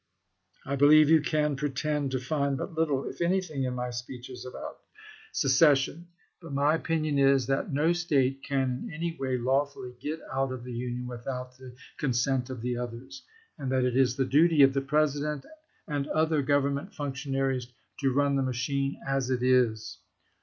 I believe you can pretend to find but little, if anything, in my speeches, about secession. But my opinion is, that no State can in any way lawfully get out of the Union ^^ without the consent of the others; and that it is the duty jjjj^ljjj of the President and other Government functionaries to n.,p. 310.' run the machine as it is.